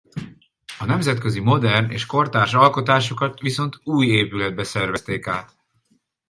A nemzetközi modern és kortárs alkotásokat viszont új épületbe szervezték át.